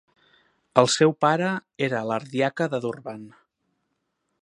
El seu pare era l'ardiaca de Durban.